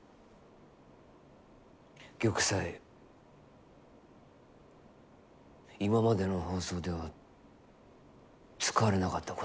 玉砕今までの放送では使われなかった言葉だ。